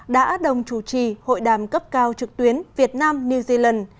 đã đồng chủ trì hội đàm cấp cao trực tuyến việt nam new zealand